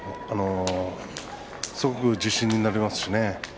すごく自信になりますよね。